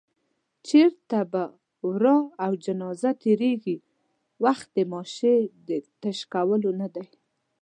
چېرته به ورا او جنازه تېرېږي، وخت د ماشې د تش کولو نه دی